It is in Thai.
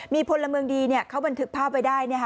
มีพลเมืองดีเขาบันทึกภาพไว้ได้